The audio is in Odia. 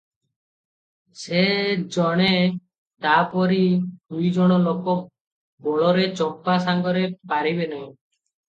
ସେ ଜାଣେ ତା'ପରି ଦୁଇଜଣ ଲୋକ ବଳରେ ଚମ୍ପା ସାଙ୍ଗରେ ପାରିବେ ନାହିଁ ।